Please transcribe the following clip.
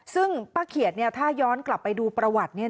ซึ่งป้าเขียดถ้าย้อนกลับไปดูประวัติ